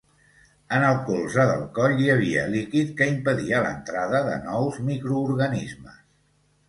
En el colze del coll hi havia líquid que impedia l'entrada de nous microorganismes.